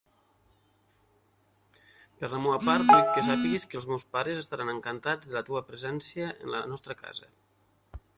Per la meua part vull que sàpigues que els meus pares estaran encantats de la teua presència en la nostra casa.